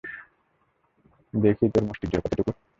দেখি, তোর মুষ্টির জোর কতটুকু।